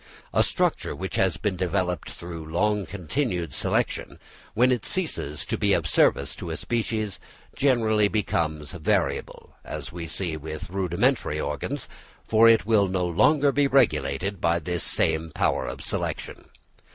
A structure which has been developed through long continued selection, when it ceases to be of service to a species, generally becomes variable, as we see with rudimentary organs; for it will no longer be regulated by this same power of selection.